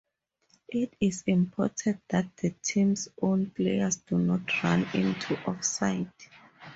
It is important that the teams own players do not run into offside.